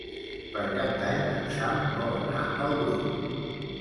Per Cap d'Any en Sam vol anar al Brull.